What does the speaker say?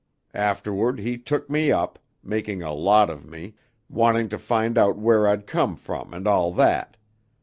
Afterward he took me up, making a lot of me, wanting to find out where I'd come from, and all that.